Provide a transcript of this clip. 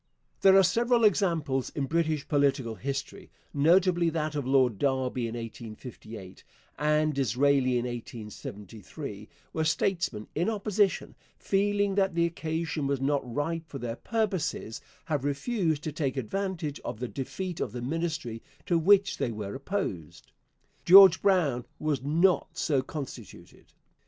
There are several examples in British political history, notably that of Lord Derby in 1858 and Disraeli in 1873, where statesmen in opposition, feeling that the occasion was not ripe for their purposes, have refused to take advantage of the defeat of the Ministry to which they were opposed. George Brown was not so constituted.